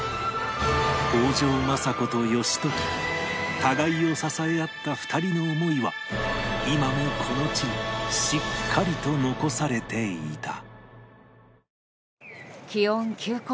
北条政子と義時互いを支え合った２人の思いは今もこの地にしっかりと残されていた